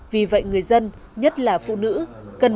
vì vậy người dân nhất là phụ nữ cần đồng hành